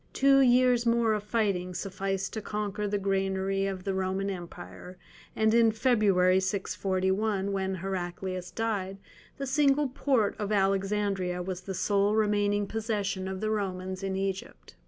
Two years more of fighting sufficed to conquer the granary of the Roman Empire; and in February, 641, when Heraclius died, the single port of Alexandria was the sole remaining possession of the Romans in Egypt.